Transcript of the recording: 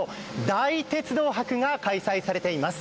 大鉄道博が開催されています。